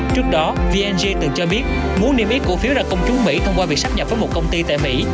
trước đó vnc từng cho biết muốn niêm yết cổ phiếu ra công chúng mỹ thông qua việc sắp nhập với một công ty tại mỹ